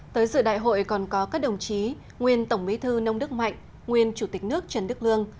tới dự đại hội còn có các đồng chí nguyên tổng bí thư nông đức mạnh nguyên chủ tịch nước trần đức lương